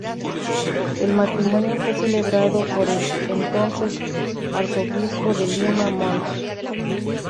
El matrimonio fue celebrado por el entonces Arzobispo de Lima, Mons.